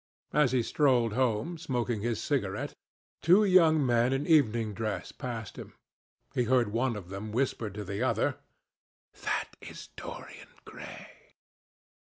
As he strolled home, smoking his cigarette, two young men in evening dress passed him. He heard one of them whisper to the other, "That is Dorian Gray."